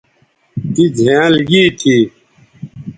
تی زھینئل گی تھی